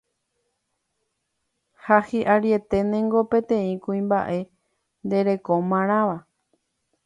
ha hi'ariete ndéngo peteĩ kuimba'e nderekomarãva